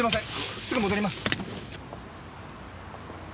すぐ戻ります！